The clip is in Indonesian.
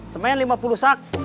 semain lima puluh sak